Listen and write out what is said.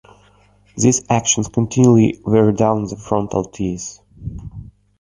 These actions continually wear down the frontal teeth.